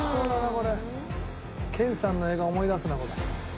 健さんの映画思い出すなこれ。